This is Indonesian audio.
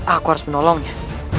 aku harus menolongnya